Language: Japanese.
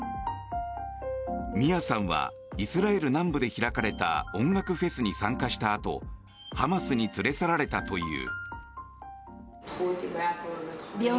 ミアさんはイスラエル南部で開かれた音楽フェスに参加したあとハマスに連れ去られたという。